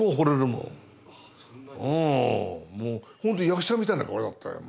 ほんとに役者みたいな顔だったよ